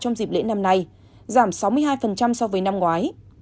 trong dịp lễ năm nay giảm sáu mươi hai so với năm ngoái